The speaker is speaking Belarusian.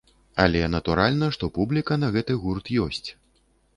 Але натуральна, што публіка на гэты гурт ёсць.